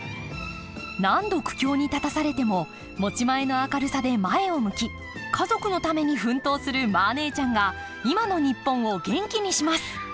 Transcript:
何度苦境に立たされても持ち前の明るさで前を向き家族のために奮闘するマー姉ちゃんが今の日本を元気にします！